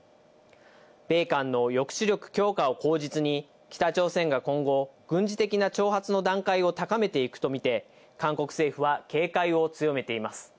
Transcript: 米韓の抑止力強化を口実に、北朝鮮が今後、軍事的な挑発の段階を高めていくと見て、韓国政府は警戒を強めています。